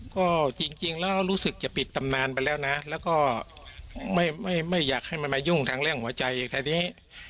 ก็จริงแล้วรู้สึกจะปิดตำนานไปแล้วนะแล้วก็ไม่อยากให้มันมายุ่งทางเรื่องหัวใจคราวนี้